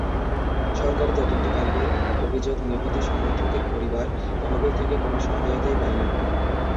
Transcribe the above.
সরকারি তদন্তকারীদের অভিযোগ, নিহত সমর্থকের পরিবার তহবিল থেকে কোনো সহায়তাই পায়নি।